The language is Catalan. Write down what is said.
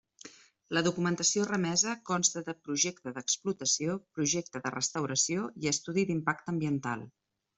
La documentació remesa consta de projecte d'explotació, projecte de restauració i estudi d'impacte ambiental.